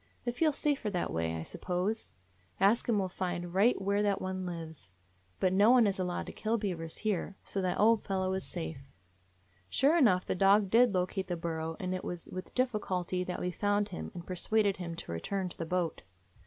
They feel safer that way, I suppose. Ask Him will find right where that one lives. But no one is allowed to kill bea vers here, so that old fellow is safe." Sure enough, the dog did locate the burrow ; and it was with difficulty that we found him, and persuaded him to return to the boat.